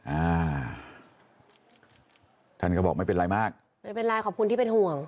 อ่าท่านก็บอกไม่เป็นไรมากไม่เป็นไรขอบคุณที่เป็นห่วง